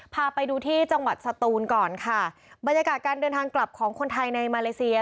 พาไปดูที่จังหวัดสตูนก่อนค่ะบรรยากาศการเดินทางกลับของคนไทยในมาเลเซีย